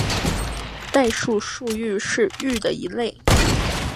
代数数域是域的一类。